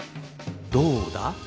どうだ？